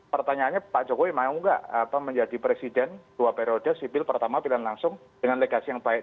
pertanyaannya pak jokowi mau nggak menjadi presiden dua periode sipil pertama pilihan langsung dengan legasi yang baik